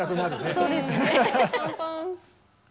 そうですね。